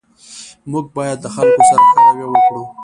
موږ باید د خلګو سره ښه رویه وکړو